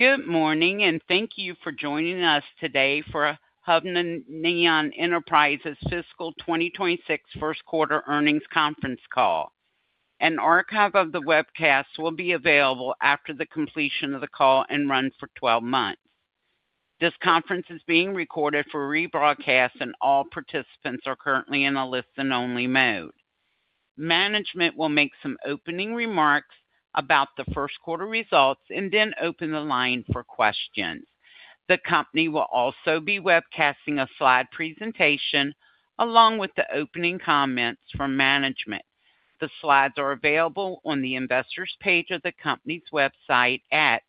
Good morning. Thank you for joining us today for Hovnanian Enterprises Fiscal 2026 First Quarter Earnings Conference Call. An archive of the webcast will be available after the completion of the call and run for 12 months. This conference is being recorded for rebroadcast, and all participants are currently in a listen-only mode. Management will make some opening remarks about the first quarter results and then open the line for questions. The company will also be webcasting a slide presentation along with the opening comments from management. The slides are available on the Investors page of the company's website at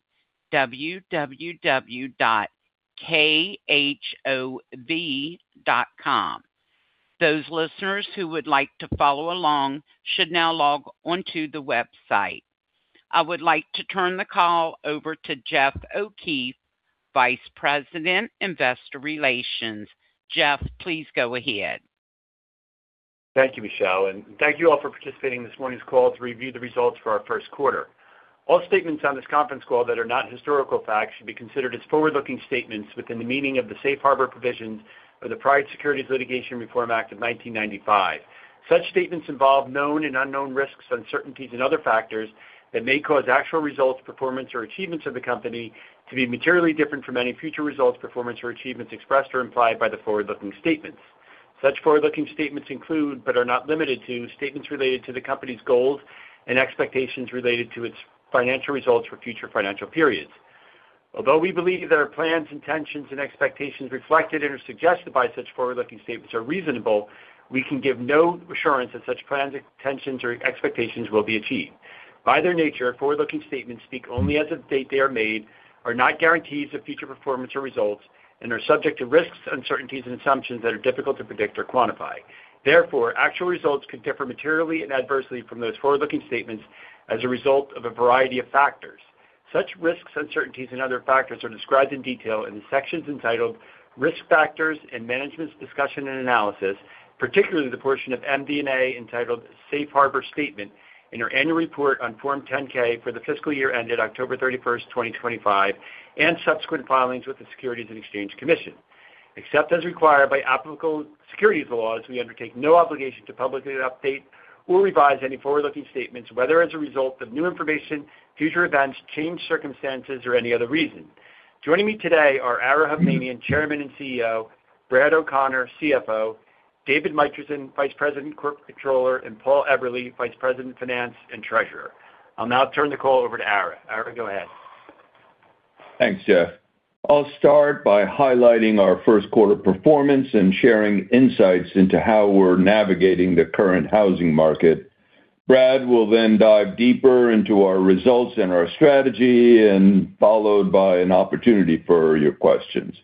www.khov.com. Those listeners who would like to follow along should now log on to the website. I would like to turn the call over to Jeff O'Keefe, Vice President, Investor Relations. Jeff, please go ahead. Thank you, Michelle, and thank you all for participating in this morning's call to review the results for our first quarter. All statements on this conference call that are not historical facts should be considered as forward-looking statements within the meaning of the Safe Harbor provisions of the Private Securities Litigation Reform Act of 1995. Such statements involve known and unknown risks, uncertainties, and other factors that may cause actual results, performance, or achievements of the company to be materially different from any future results, performance, or achievements expressed or implied by the forward-looking statements. Such forward-looking statements include, but are not limited to, statements related to the company's goals and expectations related to its financial results for future financial periods. Although we believe that our plans, intentions, and expectations reflected and or suggested by such forward-looking statements are reasonable, we can give no assurance that such plans, intentions, or expectations will be achieved. By their nature, forward-looking statements speak only as of date they are made, are not guarantees of future performance or results, and are subject to risks, uncertainties, and assumptions that are difficult to predict or quantify. Therefore, actual results could differ materially and adversely from those forward-looking statements as a result of a variety of factors. Such risks, uncertainties, and other factors are described in detail in the sections entitled Risk Factors and Management's Discussion and Analysis, particularly the portion of MD&A entitled Safe Harbor Statement in our annual report on Form 10-K for the fiscal year ended October 31st, 2025, and subsequent filings with the Securities and Exchange Commission. Except as required by applicable securities laws, we undertake no obligation to publicly update or revise any forward-looking statements, whether as a result of new information, future events, changed circumstances, or any other reason. Joining me today are Ara Hovnanian, Chairman and CEO, Brad O'Connor, CFO, David Mitrisin, Vice President, Corporate Controller, and Paul Eberly, Vice President, Finance and Treasurer. I'll now turn the call over to Ara. Ara, go ahead. Thanks, Jeff. I'll start by highlighting our first quarter performance and sharing insights into how we're navigating the current housing market. Brad will dive deeper into our results and our strategy and followed by an opportunity for your questions.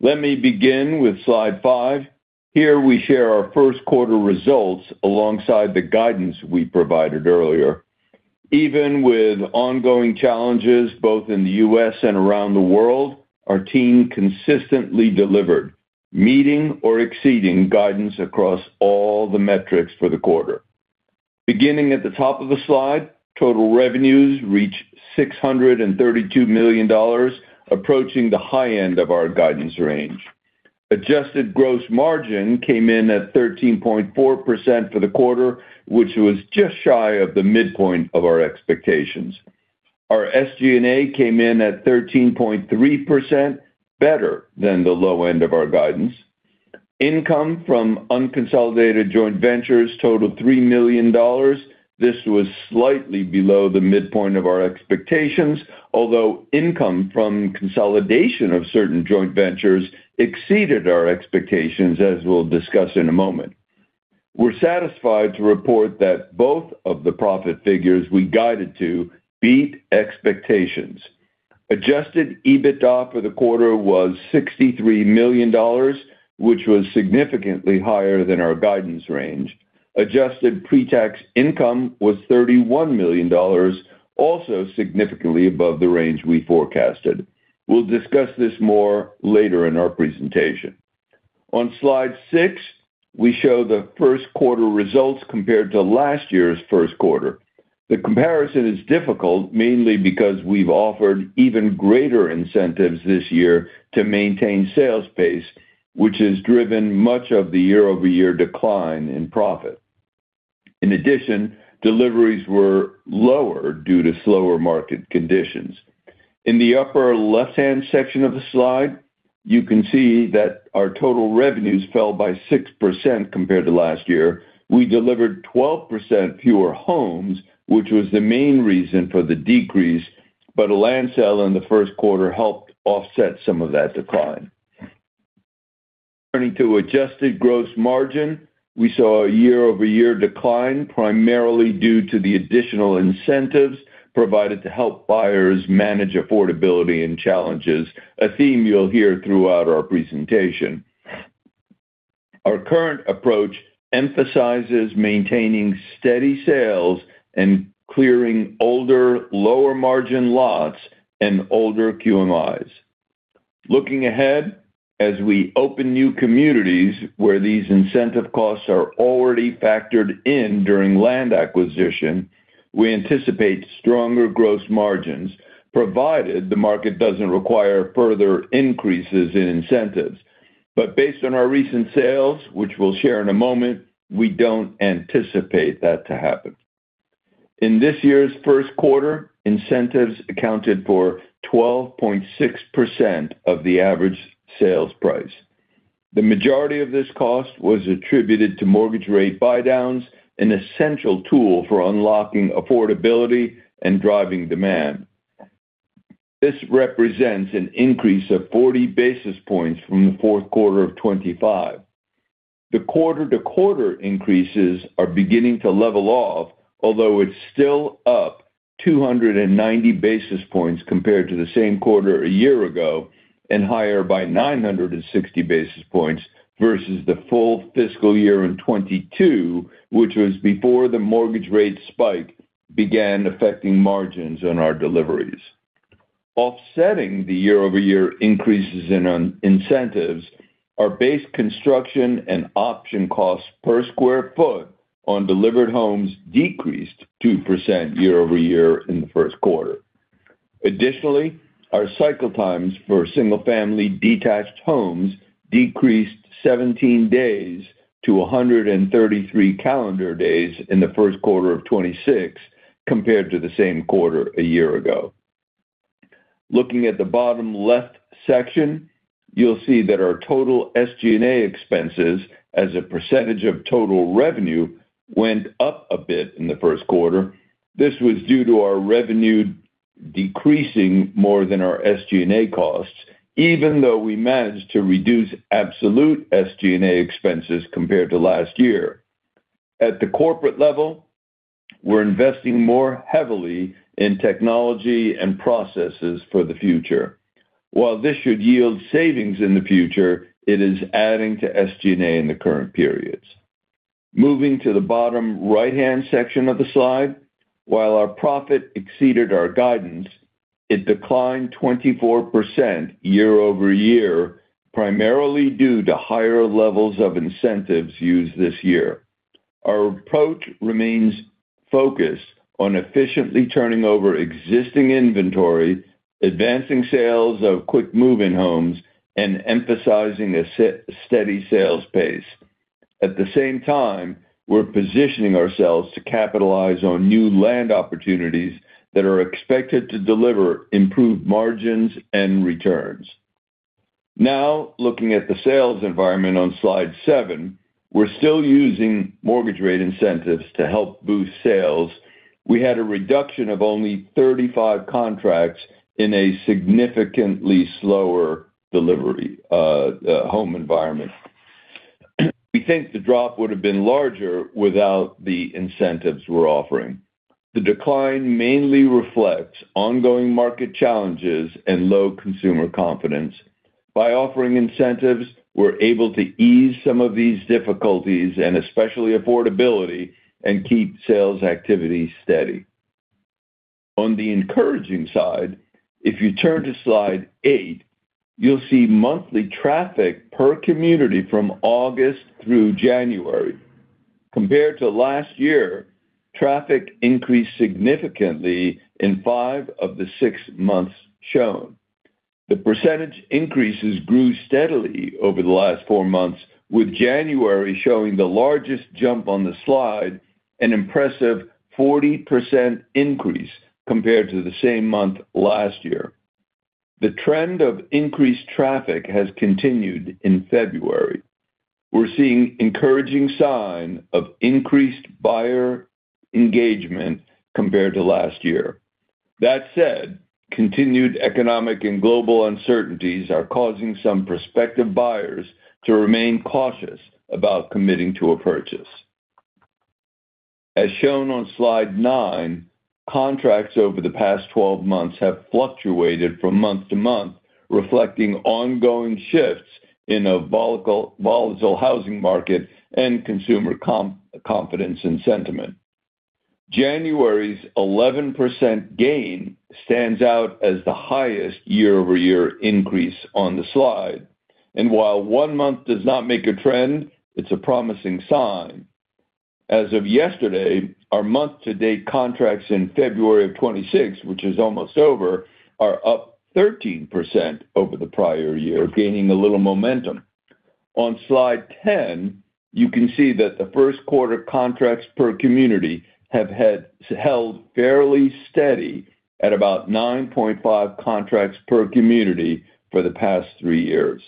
Let me begin with slide 5. Here, we share our first quarter results alongside the guidance we provided earlier. Even with ongoing challenges, both in the U.S. and around the world, our team consistently delivered, meeting or exceeding guidance across all the metrics for the quarter. Beginning at the top of the slide, total revenues reached $632 million, approaching the high end of our guidance range. Adjusted gross margin came in at 13.4% for the quarter, which was just shy of the midpoint of our expectations. Our SG&A came in at 13.3%, better than the low end of our guidance. Income from unconsolidated joint ventures totaled $3 million. This was slightly below the midpoint of our expectations. Income from consolidation of certain joint ventures exceeded our expectations, as we'll discuss in a moment. We're satisfied to report that both of the profit figures we guided to beat expectations. Adjusted EBITDA for the quarter was $63 million, which was significantly higher than our guidance range. Adjusted pre-tax income was $31 million, also significantly above the range we forecasted. We'll discuss this more later in our presentation. On slide 6, we show the first quarter results compared to last year's first quarter. The comparison is difficult, mainly because we've offered even greater incentives this year to maintain sales pace, which has driven much of the year-over-year decline in profit. In addition, deliveries were lower due to slower market conditions. In the upper left-hand section of the slide, you can see that our total revenues fell by 6% compared to last year. We delivered 12% fewer homes, which was the main reason for the decrease, but a land sale in the first quarter helped offset some of that decline. Turning to adjusted gross margin, we saw a year-over-year decline, primarily due to the additional incentives provided to help buyers manage affordability and challenges, a theme you'll hear throughout our presentation. Our current approach emphasizes maintaining steady sales and clearing older, lower-margin lots and older QMIs. Looking ahead, as we open new communities where these incentive costs are already factored in during land acquisition, we anticipate stronger gross margins, provided the market doesn't require further increases in incentives. Based on our recent sales, which we'll share in a moment, we don't anticipate that to happen. In this year's first quarter, incentives accounted for 12.6% of the average sales price. The majority of this cost was attributed to mortgage rate buydowns, an essential tool for unlocking affordability and driving demand. This represents an increase of 40 basis points from the fourth quarter of 2025. The quarter-to-quarter increases are beginning to level off, although it's still up 290 basis points compared to the same quarter a year ago, and higher by 960 basis points versus the full fiscal year in 2022, which was before the mortgage rate spike began affecting margins on our deliveries. Offsetting the year-over-year increases in incentives, our base construction and option costs per square foot on delivered homes decreased 2% year-over-year in the first quarter. Additionally, our cycle times for single-family detached homes decreased 17 days to 133 calendar days in the first quarter of 2026, compared to the same quarter a year ago. Looking at the bottom left section, you'll see that our total SG&A expenses as a percentage of total revenue, went up a bit in the first quarter. This was due to our revenue decreasing more than our SG&A costs, even though we managed to reduce absolute SG&A expenses compared to last year. At the corporate level, we're investing more heavily in technology and processes for the future. While this should yield savings in the future, it is adding to SG&A in the current periods. Moving to the bottom right-hand section of the slide, while our profit exceeded our guidance, it declined 24% year-over-year, primarily due to higher levels of incentives used this year. Our approach remains focused on efficiently turning over existing inventory, advancing sales of Quick Move-in homes, and emphasizing a steady sales pace. At the same time, we're positioning ourselves to capitalize on new land opportunities that are expected to deliver improved margins and returns. Looking at the sales environment on slide 7, we're still using mortgage rate incentives to help boost sales. We had a reduction of only 35 contracts in a significantly slower delivery home environment. We think the drop would have been larger without the incentives we're offering. The decline mainly reflects ongoing market challenges and low consumer confidence. By offering incentives, we're able to ease some of these difficulties, and especially affordability, and keep sales activity steady. On the encouraging side, if you turn to slide 8, you'll see monthly traffic per community from August through January. Compared to last year, traffic increased significantly in 5 of the 6 months shown. The percentage increases grew steadily over the last 4 months, with January showing the largest jump on the slide, an impressive 40% increase compared to the same month last year. The trend of increased traffic has continued in February. We're seeing encouraging sign of increased buyer engagement compared to last year. That said, continued economic and global uncertainties are causing some prospective buyers to remain cautious about committing to a purchase. As shown on slide 9, contracts over the past 12 months have fluctuated from month-to-month, reflecting ongoing shifts in a volatile housing market and consumer confidence and sentiment. January's 11% gain stands out as the highest year-over-year increase on the slide, and while 1 month does not make a trend, it's a promising sign. As of yesterday, our month-to-date contracts in February of 2026, which is almost over, are up 13% over the prior year, gaining a little momentum. On slide 10, you can see that the 1st quarter contracts per community held fairly steady at about 9.5 contracts per community for the past 3 years.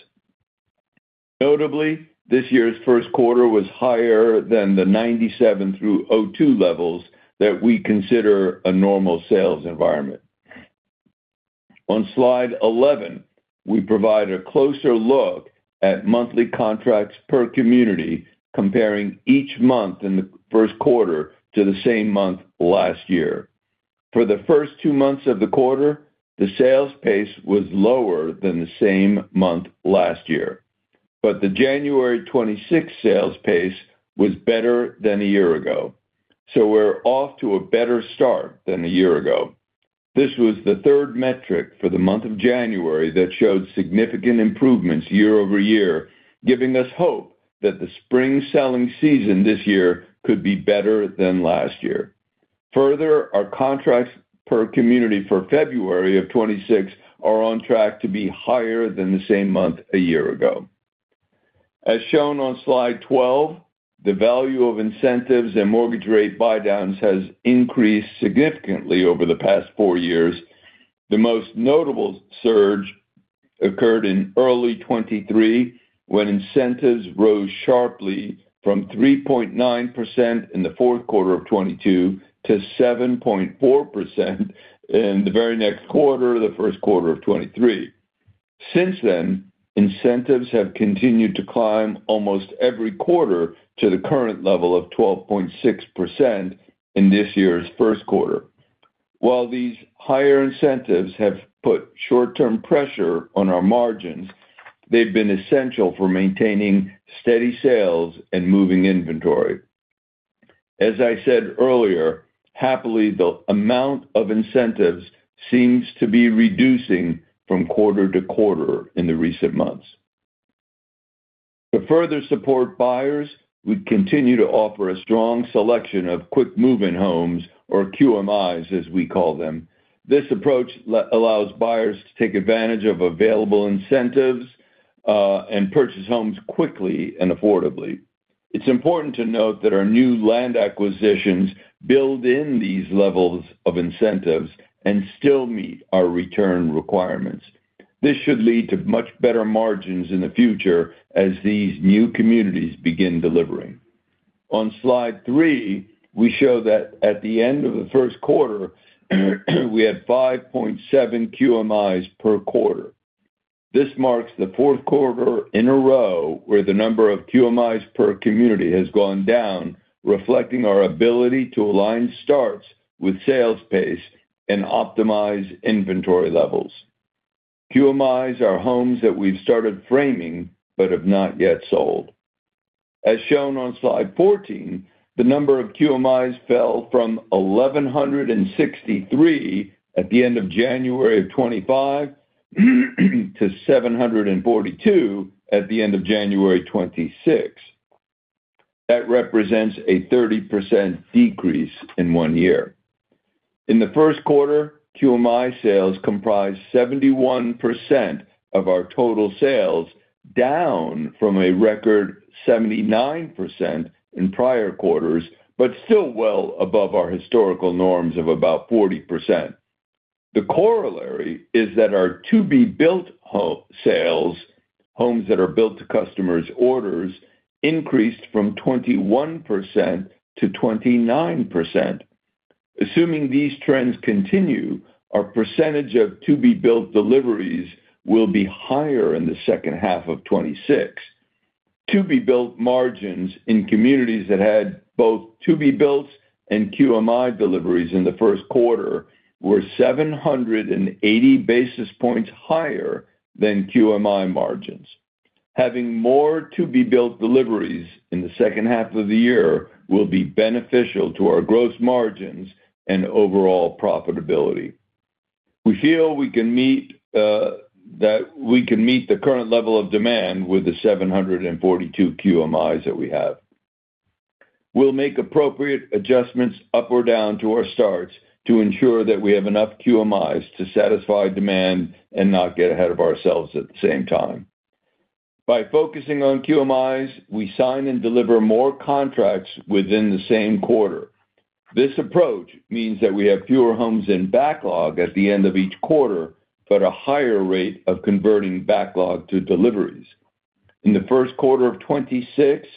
Notably, this year's first quarter was higher than the 1997-2002 levels that we consider a normal sales environment. On slide 11, we provide a closer look at monthly contracts per community, comparing each month in the 1st quarter to the same month last year. For the first 2 months of the quarter, the sales pace was lower than the same month last year. The January 2026 sales pace was better than a year ago. We're off to a better start than a year ago. This was the third metric for the month of January that showed significant improvements year-over-year, giving us hope that the spring selling season this year could be better than last year. Our contracts per community for February of 2026 are on track to be higher than the same month a year ago. As shown on slide 12, the value of incentives and mortgage rate buydowns has increased significantly over the past 4 years. The most notable surge occurred in early 2023, when incentives rose sharply from 3.9% in the fourth quarter of 2022 to 7.4% in the very next quarter, the first quarter of 2023. Since then, incentives have continued to climb almost every quarter to the current level of 12.6% in this year's first quarter. While these higher incentives have put short-term pressure on our margins, they've been essential for maintaining steady sales and moving inventory. As I said earlier, happily, the amount of incentives seems to be reducing from quarter to quarter in the recent months. To further support buyers, we continue to offer a strong selection of Quick Move-in homes, or QMIs, as we call them. This approach allows buyers to take advantage of available incentives and purchase homes quickly and affordably. It's important to note that our new land acquisitions build in these levels of incentives and still meet our return requirements. This should lead to much better margins in the future as these new communities begin delivering. On Slide 3, we show that at the end of the first quarter, we had 5.7 QMIs per quarter. This marks the fourth quarter in a row where the number of QMIs per community has gone down, reflecting our ability to align starts with sales pace and optimize inventory levels. QMIs are homes that we've started framing but have not yet sold. As shown on slide 14, the number of QMIs fell from 1,163 at the end of January 2025, to 742 at the end of January 2026. That represents a 30% decrease in one year. In the first quarter, QMI sales comprised 71% of our total sales, down from a record 79% in prior quarters, but still well above our historical norms of about 40%. The corollary is that our to-be-built sales, homes that are built to customers' orders, increased from 21%-29%. Assuming these trends continue, our percentage of to-be-built deliveries will be higher in the second half of 2026. To-be-built margins in communities that had both to-be-builts and QMI deliveries in the first quarter were 780 basis points higher than QMI margins. Having more to-be-built deliveries in the second half of the year will be beneficial to our gross margins and overall profitability. We feel that we can meet the current level of demand with the 742 QMIs that we have. We'll make appropriate adjustments up or down to our starts to ensure that we have enough QMIs to satisfy demand and not get ahead of ourselves at the same time. By focusing on QMIs, we sign and deliver more contracts within the same quarter. This approach means that we have fewer homes in backlog at the end of each quarter, but a higher rate of converting backlog to deliveries. In the first quarter of 2026,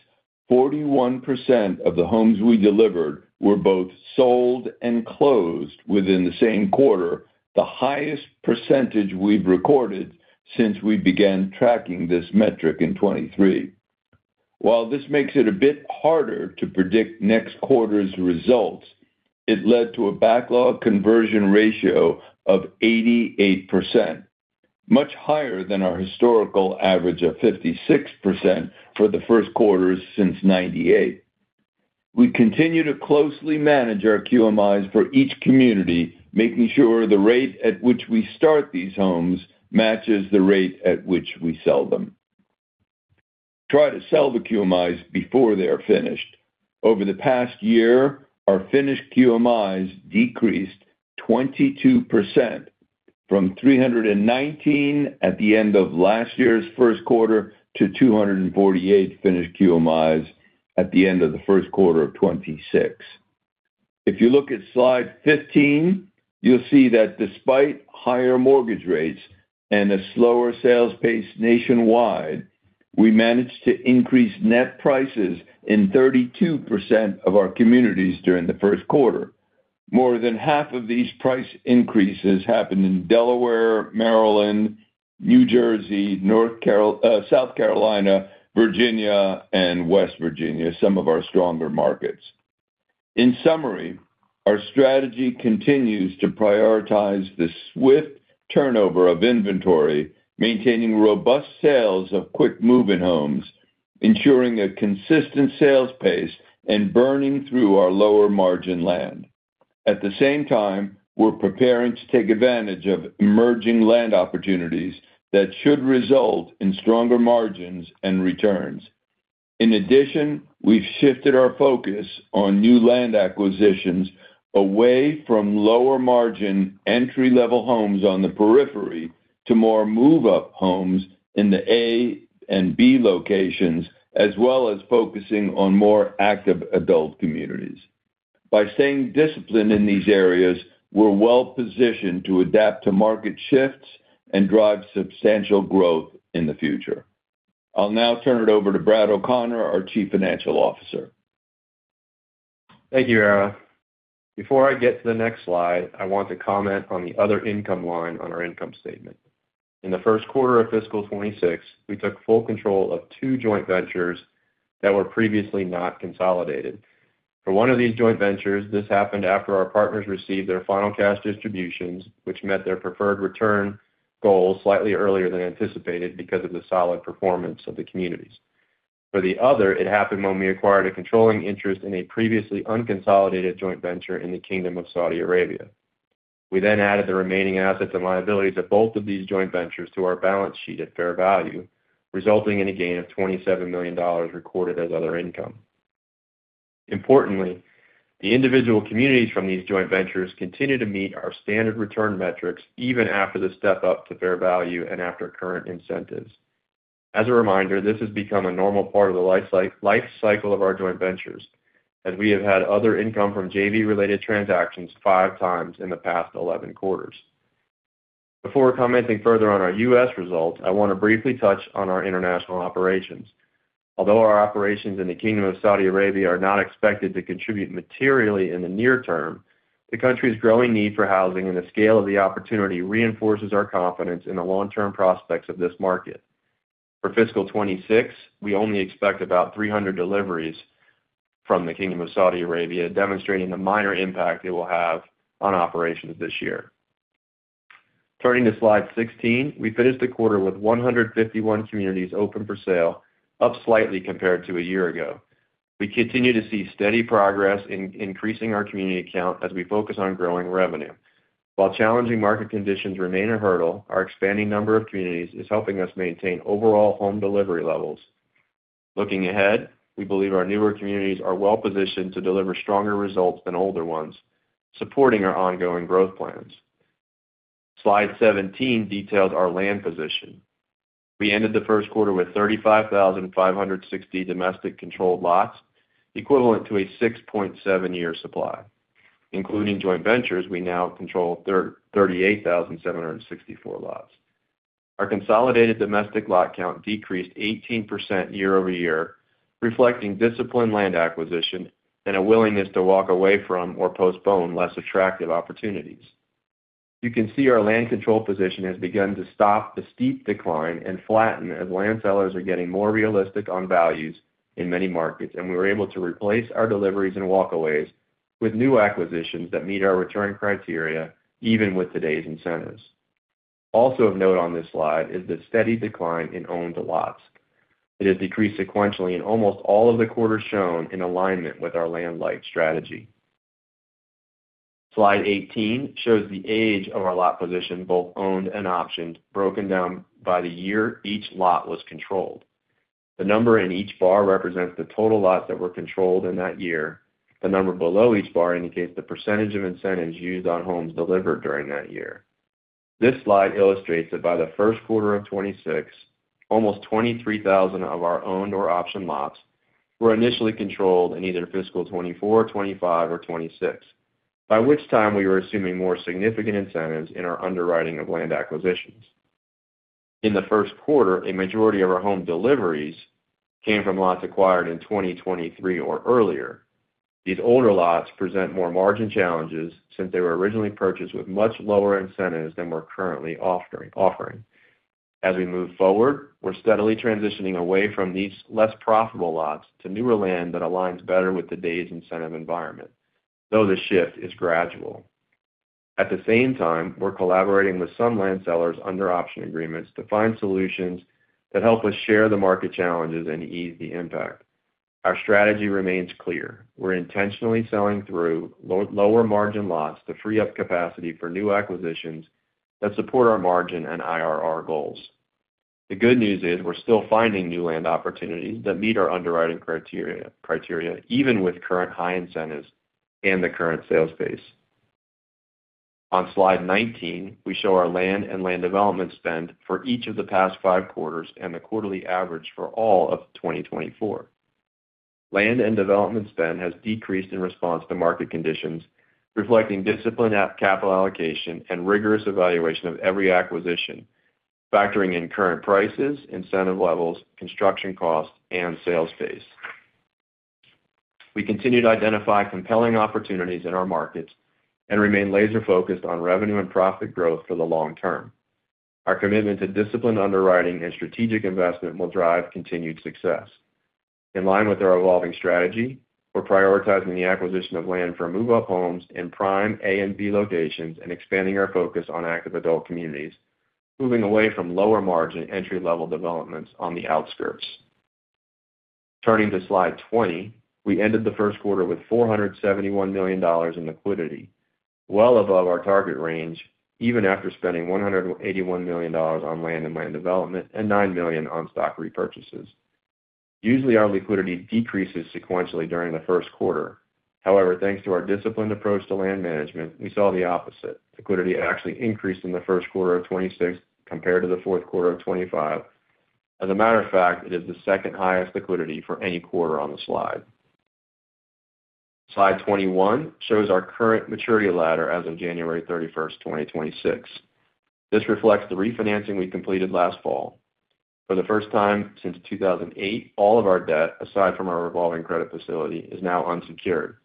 41% of the homes we delivered were both sold and closed within the same quarter, the highest percentage we've recorded since we began tracking this metric in 2023. While this makes it a bit harder to predict next quarter's results, it led to a backlog conversion ratio of 88%, much higher than our historical average of 56% for the first quarter since 1998. We continue to closely manage our QMIs for each community, making sure the rate at which we start these homes matches the rate at which we sell them. Try to sell the QMIs before they are finished. Over the past year, our finished QMIs decreased 22% from 319 at the end of last year's first quarter to 248 finished QMIs at the end of the first quarter of 2026. If you look at slide 15, you'll see that despite higher mortgage rates and a slower sales pace nationwide, we managed to increase net prices in 32% of our communities during the first quarter. More than half of these price increases happened in Delaware, Maryland, New Jersey, South Carolina, Virginia, and West Virginia, some of our stronger markets. In summary, our strategy continues to prioritize the swift turnover of inventory, maintaining robust sales of Quick Move-in homes, ensuring a consistent sales pace, and burning through our lower-margin land. At the same time, we're preparing to take advantage of emerging land opportunities that should result in stronger margins and returns. We've shifted our focus on new land acquisitions away from lower-margin, entry-level homes on the periphery to more move-up homes in the A and B locations, as well as focusing on more active adult communities. By staying disciplined in these areas, we're well-positioned to adapt to market shifts and drive substantial growth in the future. I'll now turn it over to Brad O'Connor, our Chief Financial Officer. Thank you, Ara. Before I get to the next slide, I want to comment on the other income line on our income statement. In the first quarter of fiscal 2026, we took full control of two joint ventures that were previously not consolidated. For one of these joint ventures, this happened after our partners received their final cash distributions, which met their preferred return goals slightly earlier than anticipated because of the solid performance of the communities. For the other, it happened when we acquired a controlling interest in a previously unconsolidated joint venture in the Kingdom of Saudi Arabia. We added the remaining assets and liabilities of both of these joint ventures to our balance sheet at fair value, resulting in a gain of $27 million recorded as other income. Importantly, the individual communities from these joint ventures continue to meet our standard return metrics even after the step-up to fair value and after current incentives. As a reminder, this has become a normal part of the life cycle of our joint ventures, as we have had other income from JV-related transactions five times in the past 11 quarters. Before commenting further on our U.S. results, I want to briefly touch on our international operations. Although our operations in the Kingdom of Saudi Arabia are not expected to contribute materially in the near term, the country's growing need for housing and the scale of the opportunity reinforces our confidence in the long-term prospects of this market. For fiscal 2026, we only expect about 300 deliveries from the Kingdom of Saudi Arabia, demonstrating the minor impact it will have on operations this year. Turning to Slide 16, we finished the quarter with 151 communities open for sale, up slightly compared to a year ago. We continue to see steady progress in increasing our community count as we focus on growing revenue. While challenging market conditions remain a hurdle, our expanding number of communities is helping us maintain overall home delivery levels. Looking ahead, we believe our newer communities are well positioned to deliver stronger results than older ones, supporting our ongoing growth plans. Slide 17 details our land position. We ended the first quarter with 35,560 domestic-controlled lots, equivalent to a 6.7 year supply. Including joint ventures, we now control 38,764 lots. Our consolidated domestic lot count decreased 18% year-over-year, reflecting disciplined land acquisition and a willingness to walk away from or postpone less attractive opportunities. You can see our land control position has begun to stop the steep decline and flatten as land sellers are getting more realistic on values in many markets, and we were able to replace our deliveries and walkaways with new acquisitions that meet our return criteria, even with today's incentives. Also of note on this slide is the steady decline in owned lots. It has decreased sequentially in almost all of the quarters shown in alignment with our land-light strategy. Slide 18 shows the age of our lot position, both owned and optioned, broken down by the year each lot was controlled. The number in each bar represents the total lots that were controlled in that year. The number below each bar indicates the percentage of incentives used on homes delivered during that year. This slide illustrates that by the first quarter of 2026, almost 23,000 of our owned or optioned lots were initially controlled in either fiscal 2024, 2025, or 2026, by which time we were assuming more significant incentives in our underwriting of land acquisitions. In the first quarter, a majority of our home deliveries came from lots acquired in 2023 or earlier. These older lots present more margin challenges since they were originally purchased with much lower incentives than we're currently offering. As we move forward, we're steadily transitioning away from these less profitable lots to newer land that aligns better with today's incentive environment, though the shift is gradual. At the same time, we're collaborating with some land sellers under option agreements to find solutions that help us share the market challenges and ease the impact. Our strategy remains clear: We're intentionally selling through lower-margin lots to free up capacity for new acquisitions that support our margin and IRR goals. The good news is, we're still finding new land opportunities that meet our underwriting criteria, even with current high incentives and the current sales pace. On Slide 19, we show our land and land development spend for each of the past 5 quarters and the quarterly average for all of 2024. Land and development spend has decreased in response to market conditions, reflecting disciplined capital allocation and rigorous evaluation of every acquisition, factoring in current prices, incentive levels, construction costs, and sales pace. We continue to identify compelling opportunities in our markets and remain laser-focused on revenue and profit growth for the long term. Our commitment to disciplined underwriting and strategic investment will drive continued success. In line with our evolving strategy, we're prioritizing the acquisition of land for move-up homes in prime A and B locations and expanding our focus on active adult communities, moving away from lower-margin, entry-level developments on the outskirts. Turning to slide 20, we ended the first quarter with $471 million in liquidity, well above our target range, even after spending $181 million on land and land development and $9 million on stock repurchases. Usually, our liquidity decreases sequentially during the first quarter. However, thanks to our disciplined approach to land management, we saw the opposite. Liquidity actually increased in the first quarter of 2026 compared to the fourth quarter of 2025. As a matter of fact, it is the second highest liquidity for any quarter on the slide. Slide 21 shows our current maturity ladder as of January 31st, 2026. This reflects the refinancing we completed last fall. For the first time since 2008, all of our debt, aside from our revolving credit facility, is now unsecured.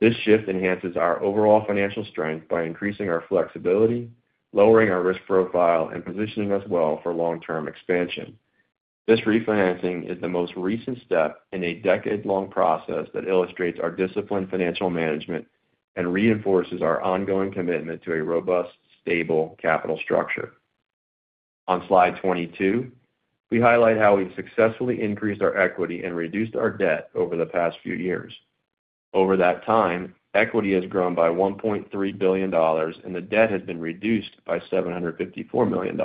This shift enhances our overall financial strength by increasing our flexibility, lowering our risk profile, and positioning us well for long-term expansion. This refinancing is the most recent step in a decade-long process that illustrates our disciplined financial management and reinforces our ongoing commitment to a robust, stable capital structure. On slide 22, we highlight how we've successfully increased our equity and reduced our debt over the past few years. Over that time, equity has grown by $1.3 billion, the debt has been reduced by $754 million.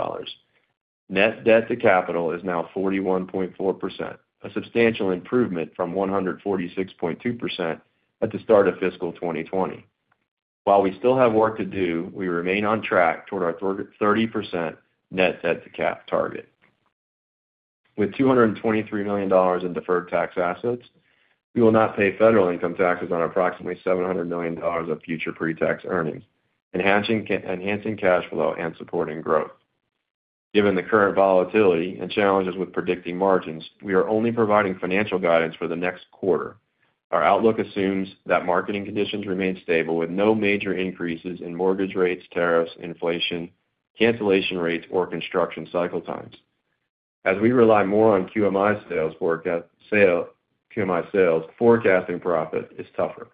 Net debt to capital is now 41.4%, a substantial improvement from 146.2% at the start of fiscal 2020. While we still have work to do, we remain on track toward our target 30% net debt to cap target. With $223 million in deferred tax assets, we will not pay federal income taxes on approximately $700 million of future pre-tax earnings, enhancing cash flow and supporting growth. Given the current volatility and challenges with predicting margins, we are only providing financial guidance for the next quarter. Our outlook assumes that marketing conditions remain stable, with no major increases in mortgage rates, tariffs, inflation, cancellation rates, or construction cycle times. As we rely more on QMI sales, forecasting profit is tougher.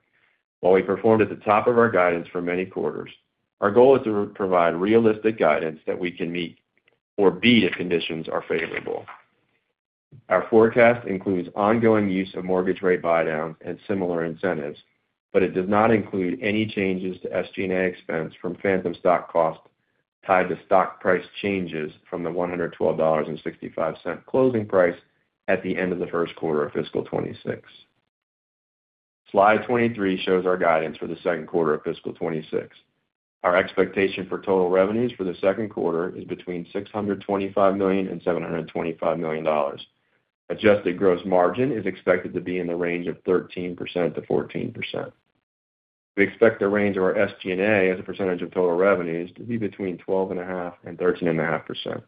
While we performed at the top of our guidance for many quarters, our goal is to provide realistic guidance that we can meet or beat if conditions are favorable. Our forecast includes ongoing use of mortgage rate buydowns and similar incentives, but it does not include any changes to SG&A expense from phantom stock cost tied to stock price changes from the $112.65 closing price at the end of the first quarter of fiscal 2026. Slide 23 shows our guidance for the second quarter of fiscal 2026. Our expectation for total revenues for the second quarter is between $625 million and $725 million. Adjusted gross margin is expected to be in the range of 13%-14%. We expect the range of our SG&A as a percentage of total revenues to be between 12.5% and 13.5%,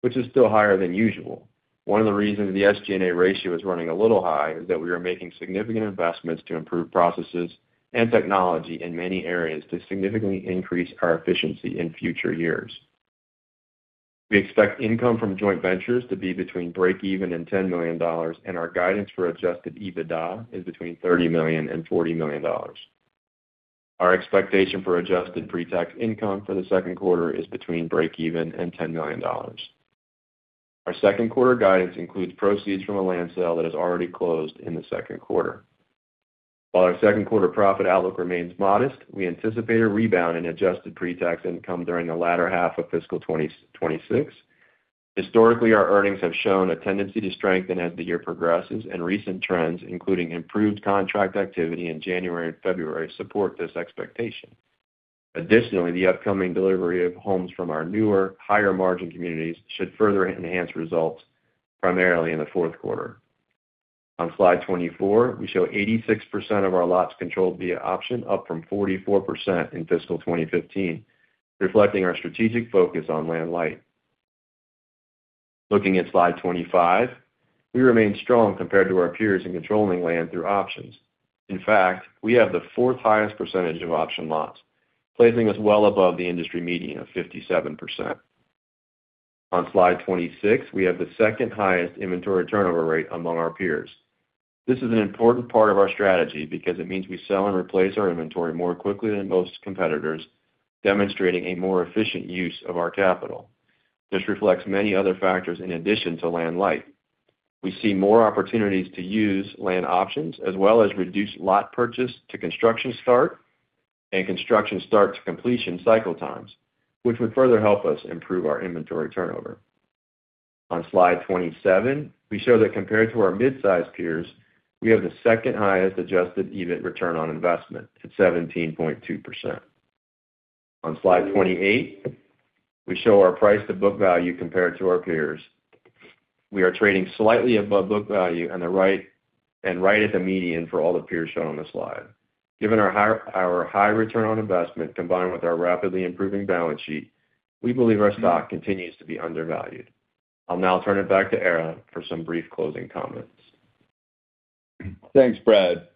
which is still higher than usual. One of the reasons the SG&A ratio is running a little high is that we are making significant investments to improve processes and technology in many areas to significantly increase our efficiency in future years. We expect income from joint ventures to be between breakeven and $10 million, and our guidance for adjusted EBITDA is between $30 million and $40 million. Our expectation for adjusted pre-tax income for the second quarter is between breakeven and $10 million. Our second quarter guidance includes proceeds from a land sale that has already closed in the second quarter. While our second quarter profit outlook remains modest, we anticipate a rebound in adjusted pre-tax income during the latter half of fiscal 2026. Historically, our earnings have shown a tendency to strengthen as the year progresses. Recent trends, including improved contract activity in January and February, support this expectation. Additionally, the upcoming delivery of homes from our newer, higher-margin communities should further enhance results, primarily in the fourth quarter. On slide 24, we show 86% of our lots controlled via option, up from 44% in fiscal 2015, reflecting our strategic focus on land-light. Looking at slide 25, we remain strong compared to our peers in controlling land through options. In fact, we have the fourth highest percentage of option lots, placing us well above the industry median of 57%. On slide 26, we have the second highest inventory turnover rate among our peers. This is an important part of our strategy because it means we sell and replace our inventory more quickly than most competitors, demonstrating a more efficient use of our capital. This reflects many other factors in addition to land-light. We see more opportunities to use land options, as well as reduce lot purchase to construction start and construction start to completion cycle times, which would further help us improve our inventory turnover. On slide 27, we show that compared to our mid-size peers, we have the second highest Adjusted EBIT return on investment at 17.2%. On slide 28, we show our price-to-book value compared to our peers. We are trading slightly above book value on the right, and right at the median for all the peers shown on the slide. Given our high return on investment, combined with our rapidly improving balance sheet, we believe our stock continues to be undervalued. I'll now turn it back to Ara for some brief closing comments. Thanks, Brad.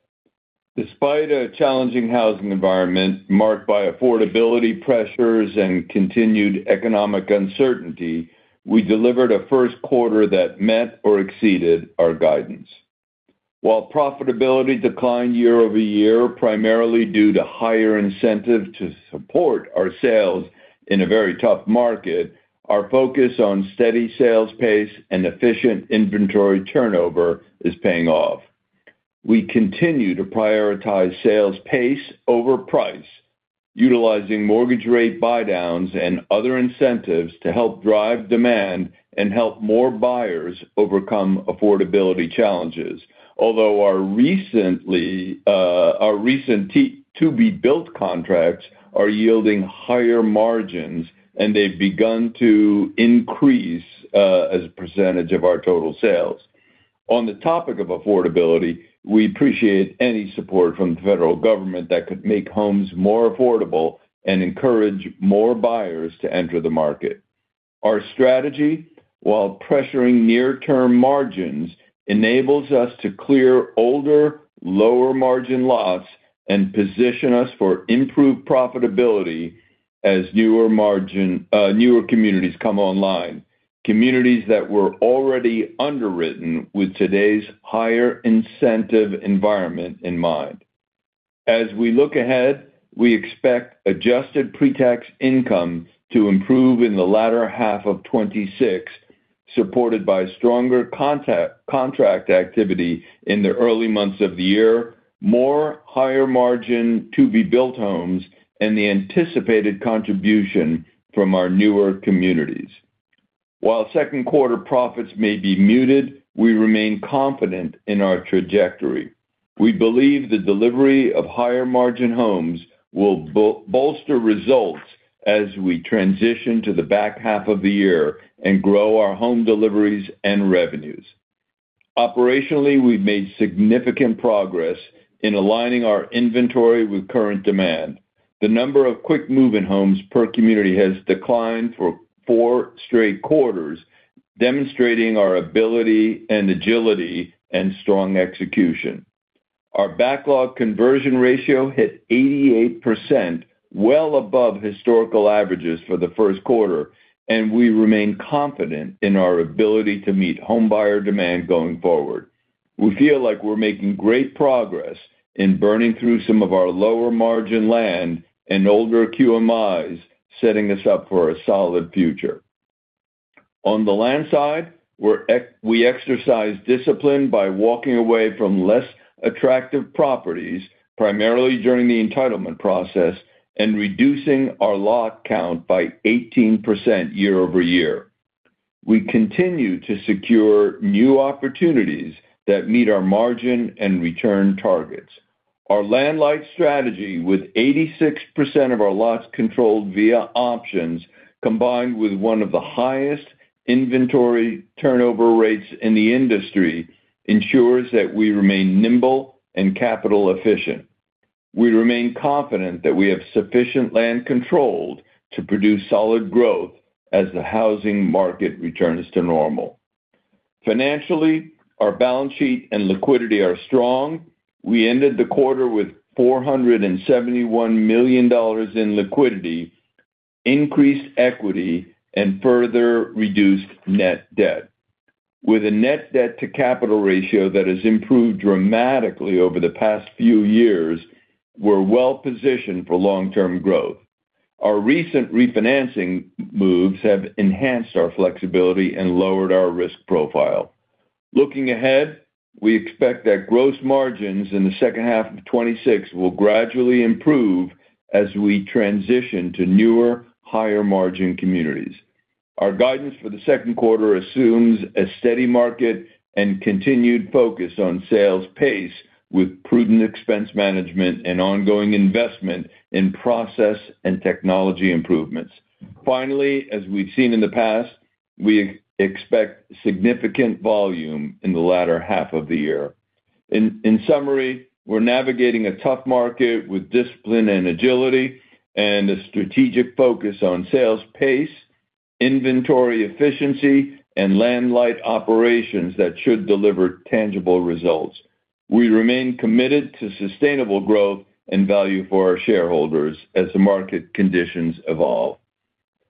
Despite a challenging housing environment marked by affordability pressures and continued economic uncertainty, we delivered a first quarter that met or exceeded our guidance. While profitability declined year-over-year, primarily due to higher incentive to support our sales in a very tough market, our focus on steady sales pace and efficient inventory turnover is paying off. We continue to prioritize sales pace over price, utilizing mortgage rate buydowns and other incentives to help drive demand and help more buyers overcome affordability challenges. Although our recently, our recent to-be-built contracts are yielding higher margins, and they've begun to increase as a percentage of our total sales. On the topic of affordability, we appreciate any support from the federal government that could make homes more affordable and encourage more buyers to enter the market. Our strategy, while pressuring near-term margins, enables us to clear older, lower-margin lots and position us for improved profitability as newer communities come online, communities that were already underwritten with today's higher incentive environment in mind. As we look ahead, we expect Adjusted pretax income to improve in the latter half of 2026, supported by stronger contract activity in the early months of the year, more higher-margin, to-be-built homes, and the anticipated contribution from our newer communities. While second quarter profits may be muted, we remain confident in our trajectory. We believe the delivery of higher-margin homes will bolster results as we transition to the back half of the year and grow our home deliveries and revenues. Operationally, we've made significant progress in aligning our inventory with current demand. The number of Quick Move-in homes per community has declined for 4 straight quarters, demonstrating our ability and agility and strong execution. Our backlog conversion ratio hit 88%, well above historical averages for the first quarter, we remain confident in our ability to meet homebuyer demand going forward. We feel like we're making great progress in burning through some of our lower-margin land and older QMIs, setting us up for a solid future. On the land side, we exercise discipline by walking away from less attractive properties, primarily during the entitlement process, and reducing our lot count by 18% year-over-year. We continue to secure new opportunities that meet our margin and return targets. Our land-light strategy, with 86% of our lots controlled via options, combined with one of the highest inventory turnover rates in the industry, ensures that we remain nimble and capital efficient. We remain confident that we have sufficient land controlled to produce solid growth as the housing market returns to normal. Financially, our balance sheet and liquidity are strong. We ended the quarter with $471 million in liquidity, increased equity, and further reduced net debt. With a net debt-to-capital ratio that has improved dramatically over the past few years, we're well positioned for long-term growth. Our recent refinancing moves have enhanced our flexibility and lowered our risk profile. Looking ahead, we expect that gross margins in the second half of 2026 will gradually improve as we transition to newer, higher-margin communities. Our guidance for the second quarter assumes a steady market and continued focus on sales pace, with prudent expense management and ongoing investment in process and technology improvements. Finally, as we've seen in the past, we expect significant volume in the latter half of the year. In summary, we're navigating a tough market with discipline and agility and a strategic focus on sales pace, inventory efficiency, and land-light operations that should deliver tangible results. We remain committed to sustainable growth and value for our shareholders as the market conditions evolve.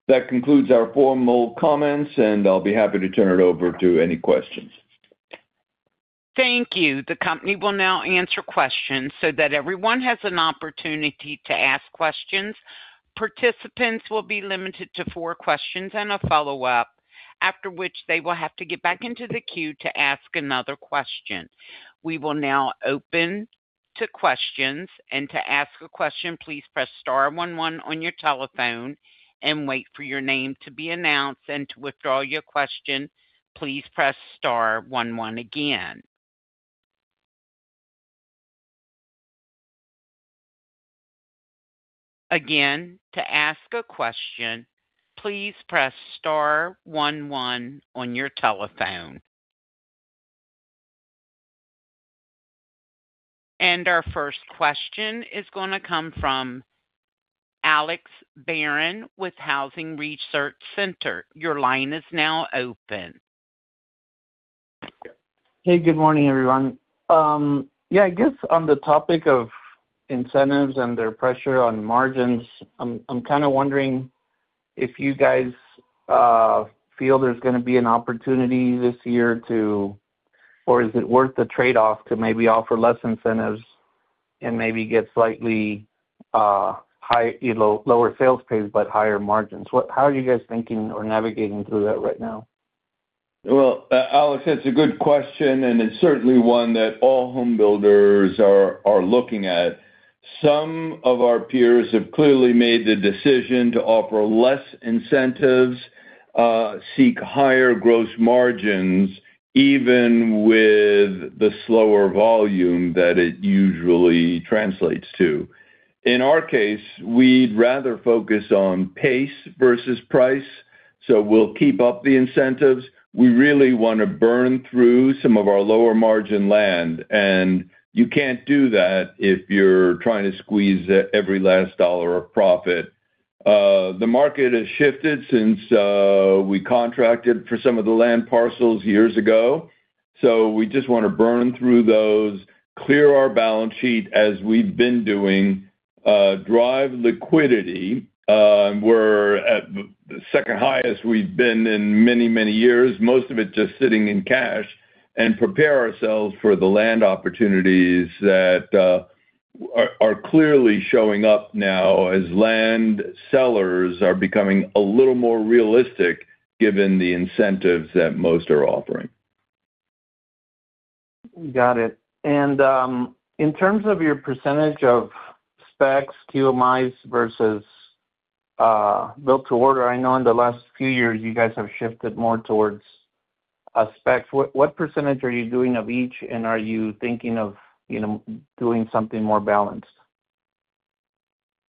That concludes our formal comments, and I'll be happy to turn it over to any questions. Thank you. The company will now answer questions. That everyone has an opportunity to ask questions, participants will be limited to four questions and a follow-up, after which they will have to get back into the queue to ask another question. We will now open to questions, and to ask a question, please press star one one on your telephone and wait for your name to be announced, and to withdraw your question, please press star one one again. Again, to ask a question, please press star one one on your telephone. Our first question is going to come from Alex Barron with Housing Research Center. Your line is now open. Hey, good morning, everyone. Yeah, I guess on the topic of incentives and their pressure on margins, I'm kind of wondering if you guys feel there's going to be an opportunity this year to, or is it worth the trade-off to maybe offer less incentives and maybe get slightly high, you know, lower sales pace, but higher margins? How are you guys thinking or navigating through that right now? Well, Alex, that's a good question. It's certainly one that all home builders are looking at. Some of our peers have clearly made the decision to offer less incentives, seek higher gross margins, even with the slower volume that it usually translates to. In our case, we'd rather focus on pace versus price. We'll keep up the incentives. We really want to burn through some of our lower margin land. You can't do that if you're trying to squeeze every last dollar of profit. The market has shifted since we contracted for some of the land parcels years ago. We just want to burn through those, clear our balance sheet as we've been doing, drive liquidity. We're at the second highest we've been in many, many years, most of it just sitting in cash, and prepare ourselves for the land opportunities that are clearly showing up now as land sellers are becoming a little more realistic, given the incentives that most are offering. Got it. In terms of your percentage of specs, QMIs versus built to order, I know in the last few years, you guys have shifted more towards specs. What % are you doing of each, and are you thinking of, you know, doing something more balanced?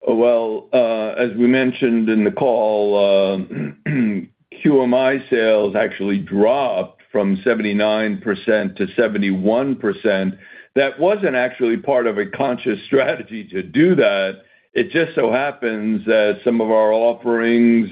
Well, as we mentioned in the call, QMI sales actually dropped from 79%-71%. That wasn't actually part of a conscious strategy to do that. It just so happens that some of our offerings.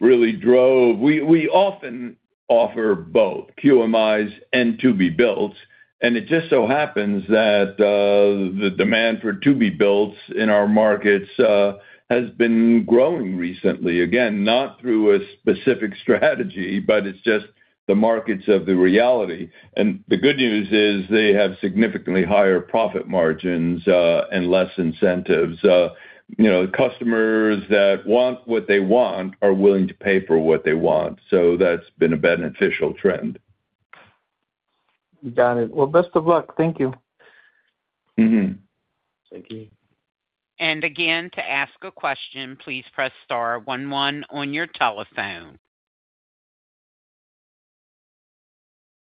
We often offer both QMIs and to-be builds, and it just so happens that the demand for to-be builds in our markets has been growing recently. Again, not through a specific strategy, but it's just the markets of the reality. The good news is they have significantly higher profit margins and less incentives. You know, customers that want what they want are willing to pay for what they want, so that's been a beneficial trend. Got it. Well, best of luck. Thank you. Mm-hmm. Thank you. Again, to ask a question, please press star one one on your telephone.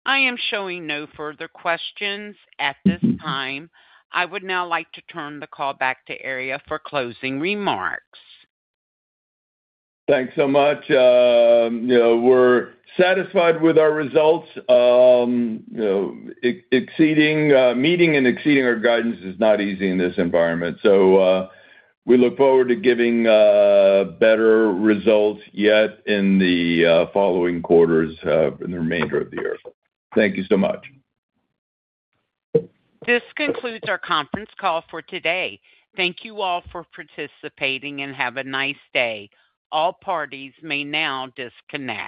I am showing no further questions at this time. I would now like to turn the call back to Ara for closing remarks. Thanks so much. you know, we're satisfied with our results. you know, exceeding, meeting and exceeding our guidance is not easy in this environment. We look forward to giving, better results yet in the, following quarters, in the remainder of the year. Thank you so much. This concludes our conference call for today. Thank you all for participating, and have a nice day. All parties may now disconnect.